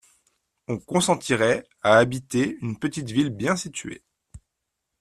On consentirait à habiter une petite ville bien située.